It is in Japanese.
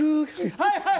はいはい！